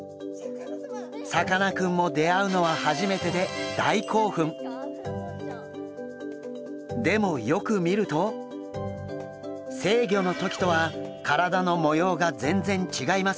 さかなクンも出会うのは初めてででもよく見ると成魚の時とは体の模様が全然違いますよね。